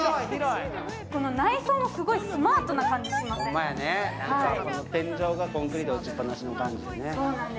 内装もすごいスマートな感じしません？